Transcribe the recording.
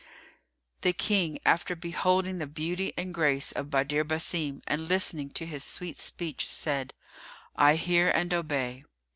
The King, after beholding the beauty and grace of Badr Basim and listening to his sweet speech, said, "I hear and obey."